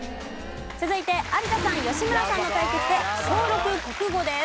続いて有田さん吉村さんの対決で小６国語です。